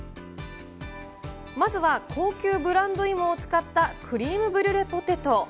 まずは高級ブランド芋を使ったクリームブリュレポテト。